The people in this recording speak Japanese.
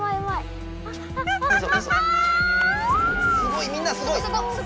すごいみんなすごい。